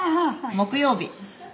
木曜日。